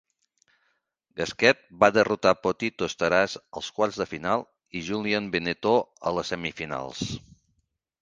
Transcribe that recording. Gasquet va derrotar Potito Starace als quarts de final i Julien Benneteau a les semifinals.